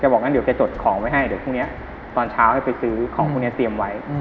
บอกงั้นเดี๋ยวแกจดของไว้ให้เดี๋ยวพรุ่งนี้ตอนเช้าให้ไปซื้อของพวกนี้เตรียมไว้